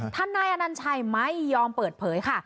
ทนายอนัญชัยไม่ยอมเปิดเผยค่ะ